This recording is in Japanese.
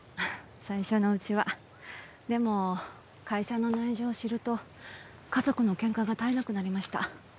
最初のうちはでも会社の内情を知ると家族のケンカが絶えなくなりました。